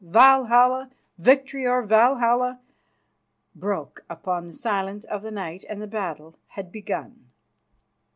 Valhalla! Victory or Valhalla!_" broke upon the silence of the night and the battle had begun.